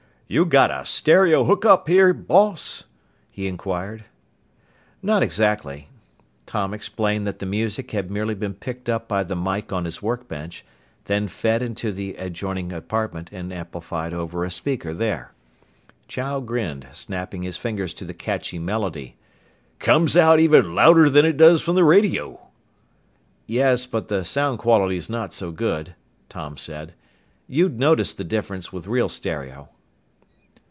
"You got a stereo hookup here, boss?" he inquired. "Not exactly." Tom explained that the music had merely been picked up by the mike on his workbench, then fed into the adjoining apartment and amplified over a speaker there. Chow grinned, snapping his fingers to the catchy melody. "Comes out even louder'n it does from the radio!" "Yes, but the sound quality's not so good," Tom said. "You'd notice the difference with real stereo."